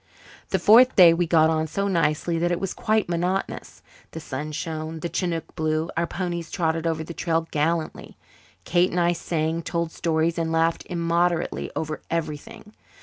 The fourth day we got on so nicely that it was quite monotonous. The sun shone, the chinook blew, our ponies trotted over the trail gallantly. Kate and I sang, told stories, and laughed immoderately over everything.